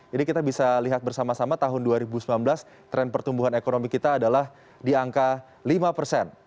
ini kita bisa lihat bersama sama tahun dua ribu sembilan belas tren pertumbuhan ekonomi kita adalah di angka lima persen